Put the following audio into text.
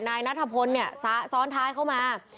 นายนัทธพนธ์ซ้อนท้ายเข้ามา